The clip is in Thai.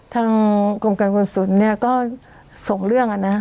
ทางกรมกันกรุงศูนย์เนี่ยก็ส่งเรื่องกันนะ